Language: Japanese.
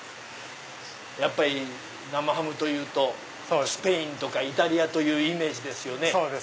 やっぱり生ハムというとスペインとかイタリアというイメージですよね。